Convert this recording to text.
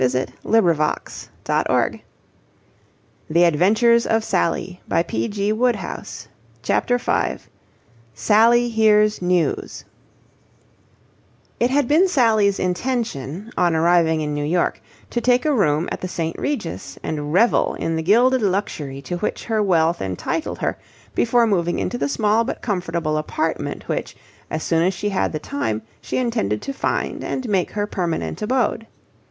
A determined looking sort of young bloke, was the taxi driver's verdict. CHAPTER V. SALLY HEARS NEWS It had been Sally's intention, on arriving in New York, to take a room at the St. Regis and revel in the gilded luxury to which her wealth entitled her before moving into the small but comfortable apartment which, as soon as she had the time, she intended to find and make her permanent abode.